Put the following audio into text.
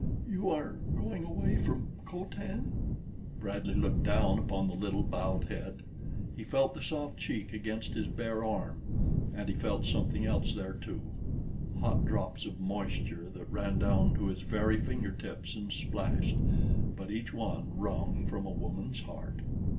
"You are going away from Co Tan?" Bradley looked down upon the little bowed head. He felt the soft cheek against his bare arm; and he felt something else there too hot drops of moisture that ran down to his very finger tips and splashed, but each one wrung from a woman's heart.